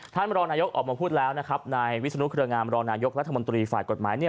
บรองนายกออกมาพูดแล้วนะครับนายวิศนุเครืองามรองนายกรัฐมนตรีฝ่ายกฎหมายเนี่ย